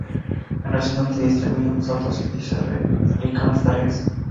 En resumen: se distribuyen los datos y se replican las tareas.